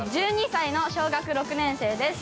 １２歳の小学６年生です。